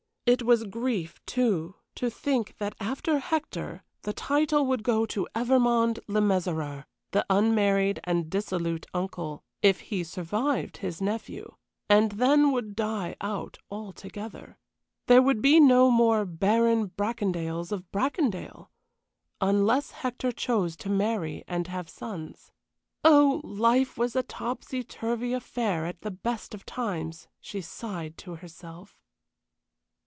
It was grief, too, to think that after Hector the title would go to Evermond Le Mesurier, the unmarried and dissolute uncle, if he survived his nephew, and then would die out altogether. There would be no more Baron Bracondales of Bracondale, unless Hector chose to marry and have sons. Oh, life was a topsy turvy affair at the best of times, she sighed to herself.